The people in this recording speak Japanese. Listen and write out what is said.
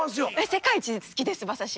世界一好きです馬刺し。